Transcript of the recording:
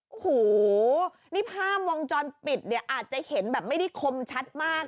โอ้โหนี่ภาพวงจรปิดเนี่ยอาจจะเห็นแบบไม่ได้คมชัดมาก